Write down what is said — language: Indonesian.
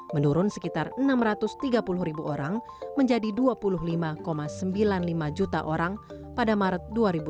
menurun sekitar enam ratus tiga puluh ribu orang menjadi dua puluh lima sembilan puluh lima juta orang pada maret dua ribu dua puluh